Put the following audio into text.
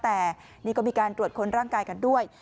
แต่นี่ก็มีการตรวจค้นร่างกายกันด้วย